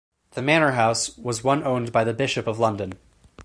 The manor house was one owned by the Bishop of London.